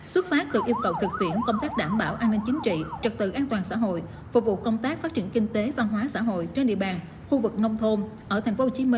xuất phát từ yêu cầu thực hiện công tác đảm bảo an ninh chính trị trật tự an toàn xã hội phục vụ công tác phát triển kinh tế và hóa xã hội trên địa bàn khu vực nông thôn ở tp hcm trong thời gian tới